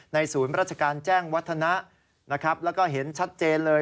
ศูนย์ราชการแจ้งวัฒนะนะครับแล้วก็เห็นชัดเจนเลย